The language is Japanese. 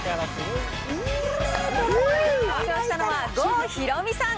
登場したのは、郷ひろみさん